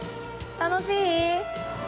楽しい。